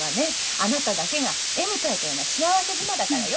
あなただけが絵に描いたような幸せ妻だからよ。